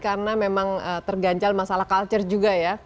karena memang tergancal masalah culture juga ya